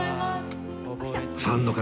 ファンの方